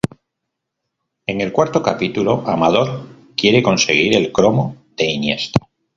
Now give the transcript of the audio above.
En el cuarto capítulo, Amador quiere conseguir el cromo de Iniesta.